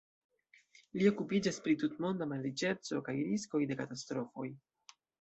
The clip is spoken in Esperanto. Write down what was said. Li okupiĝas pri tutmonda malriĉeco kaj riskoj de katastrofoj.